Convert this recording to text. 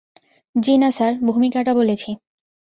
জ্বি-না sir, ভূমিকাটা বলেছি।